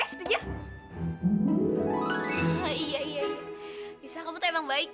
lihat dia udah jadi anak yang baik